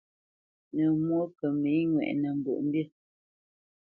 Nə̌ mwó kə mə̌ ŋwɛʼnə Mbwoʼmbî.